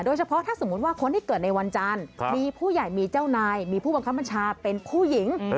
เฉพาะถ้าสมมุติว่าคนที่เกิดในวันจันทร์มีผู้ใหญ่มีเจ้านายมีผู้บังคับบัญชาเป็นผู้หญิง